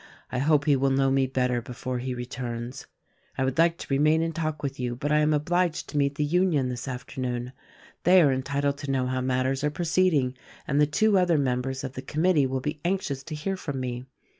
I hope he will know me better before he returns. 118 THE RECORDING ANGEL 119 "I would like to remain and talk with you, but I am obliged to meet the Union this afternoon. They are entitled to know how matters are proceeding, and the two other members of the committee will be anxious to hear from me.